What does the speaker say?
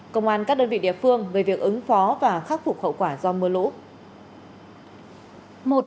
công an các đơn vị địa phương về việc ứng phó và khắc phục hậu quả do mưa lũ